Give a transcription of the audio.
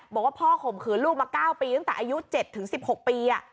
บอกว่าพ่อข่มขืนลูกมา๙ปีตั้งแต่อายุ๗๑๖ปี